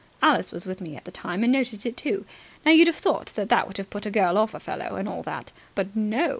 Alice was with me at the time, and noticed it too. Now you'd have thought that that would have put a girl off a fellow, and all that. But no.